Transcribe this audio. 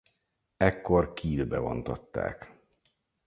Ekkor Kielbe vontatták.